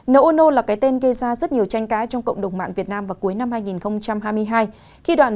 nô ô nô là cái tên gây ra rất nhiều tranh cái trong cộng đồng mạng việt nam vào cuối năm hai nghìn hai mươi hai